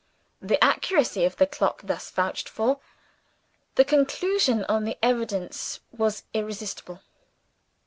The accuracy of the clock thus vouched for, the conclusion on the evidence was irresistible.